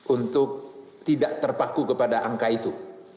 untuk tidak terpaku kepada angka itu